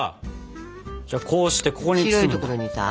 じゃあこうしてここに包むんだ。